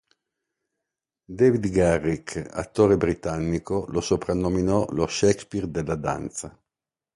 David Garrick, attore britannico, lo soprannominò lo Shakespeare della danza.